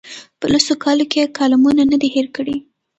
په لسو کالو کې یې کالمونه نه دي هېر کړي.